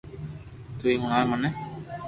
تو ھي ھڻاو مني